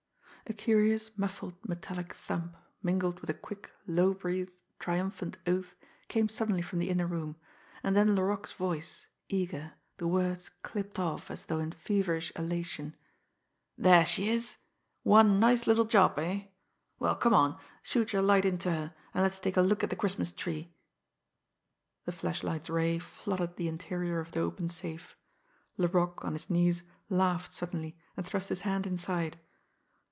A curious, muffled, metallic thump, mingled with a quick, low breathed, triumphant oath, came suddenly from the inner room and then Laroque's voice, eager, the words clipped off as though in feverish elation: "There she is! One nice little job eh? Well, come on shoot your light into her, and let's take a look at the Christmas tree!" The flashlight's ray flooded the interior of the open safe. Laroque, on his knees, laughed suddenly, and thrust his hand inside.